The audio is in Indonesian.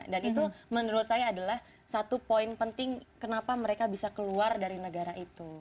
dan itu menurut saya adalah satu poin penting kenapa mereka bisa keluar dari negara itu